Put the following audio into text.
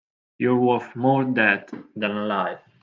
You're worth more dead than alive.